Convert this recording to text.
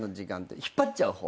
引っ張っちゃう方？